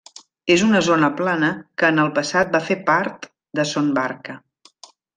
És una zona plana que en el passat va fer part de Son Barca.